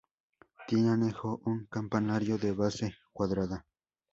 Tiene anejo un campanario de base cuadrada.